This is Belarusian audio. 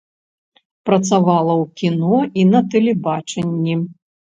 Працавала ў кіно і на тэлебачанні.